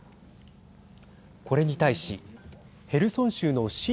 これに対しヘルソン州の親